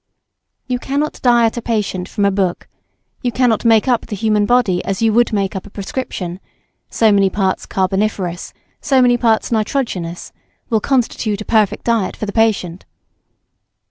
You cannot diet a patient from a book, you cannot make up the human body as you would make up a prescription, so many parts "carboniferous," so many parts "nitrogenous" will constitute a perfect diet for the patient.